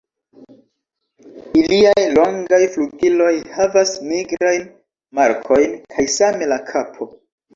Iliaj longaj flugiloj havas nigrajn markojn kaj same la kapo.